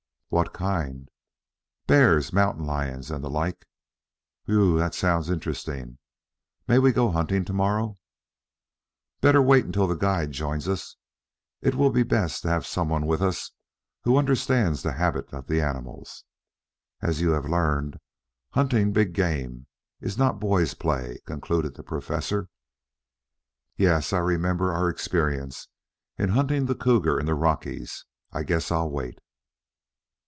"What kind?" "Bears, mountain lions and the like." "W h e w. That sounds interesting. May we go gunning to morrow?" "Better wait until the guide joins us. It will be best to have some one with us who understands the habits of the animals. As you have learned, hunting big game is not boys' play," concluded the Professor. "Yes, I remember our experience in hunting the cougar in the Rockies. I guess I'll wait."